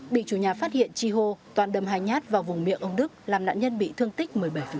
bị chủ nhà phát hiện chi hô toan đâm hai nhát vào vùng miệng ông đức làm nạn nhân bị thương tích một mươi bảy